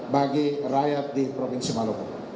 bagi rakyat di provinsi maluku